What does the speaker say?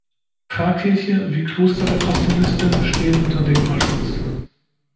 Pfarrkirche wie Kloster der Passionisten stehen unter Denkmalschutz.